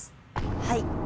はい。